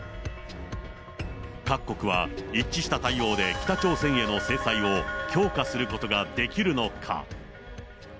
各国は一致した対応で北朝鮮への制裁を強化することができるのか。